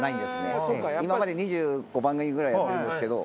今まで２５番組ぐらいやってるんですけど。